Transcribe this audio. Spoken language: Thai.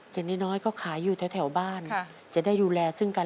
อย่างน้อยก็ขายอยู่แถวบ้านจะได้ดูแลซึ่งกัน